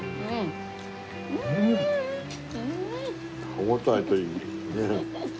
歯応えといいねっ。